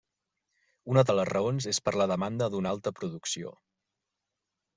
Una de les raons és per la demanda d'una alta producció.